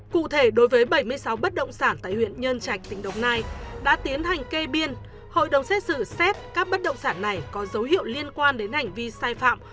cụ thể đối với bảy mươi sáu bất động sản tại huyện nhân trạch tỉnh đồng nai đã tiến hành kê biên hội đồng xét xử xét các bất động sản này có dấu hiệu liên quan đến hành vi sai phạm